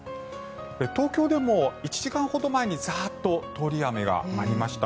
東京でも１時間ほど前にザーッと通り雨がありました。